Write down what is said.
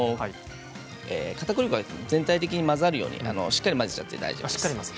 かたくり粉が、全体に混ざるようにしっかり混ぜて大丈夫です。